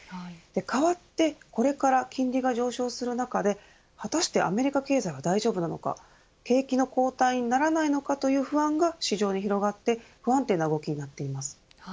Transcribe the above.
代わってこれから金利が上昇する中で果たしてアメリカ経済は大丈夫なのか景気の後退にならないのかという不安が市場に広がって不安定な動きになっています。